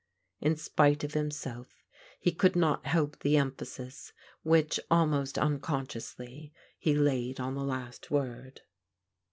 In spite of himself he could not help the emphasis which, almost tmconsciously, he laid on the last word.